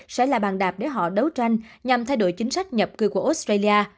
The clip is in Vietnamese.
sẽ là bàn đạp để họ đấu tranh nhằm thay đổi chính sách nhập cư của australia